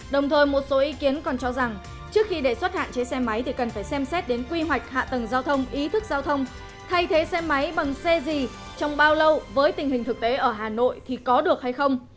đồng thời một số ý kiến còn cho rằng trước khi đề xuất hạn chế xe máy thì cần phải xem xét đến quy hoạch hạ tầng giao thông ý thức giao thông thay thế xe máy bằng xe gì trong bao lâu với tình hình thực tế ở hà nội thì có được hay không